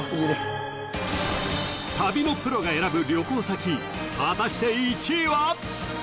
旅のプロが選ぶ旅行先果たして１位は？